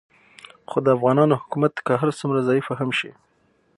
خو د افغانانو حکومت که هر څومره ضعیفه هم شي